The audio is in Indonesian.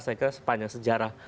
saya kira sepanjang sejarah